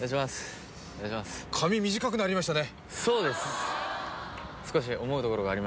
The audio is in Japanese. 髪短くなりましたね